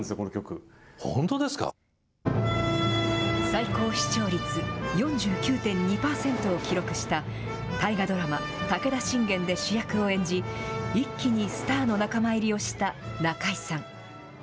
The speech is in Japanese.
最高視聴率４９．２％を記録した大河ドラマ、武田信玄で主役を演じ、一気にスターの仲間入りをした中井さん。